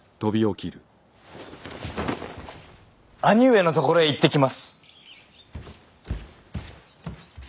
兄上のところへ行ってきます！